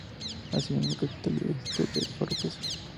Es asimismo capital del distrito de Oropesa.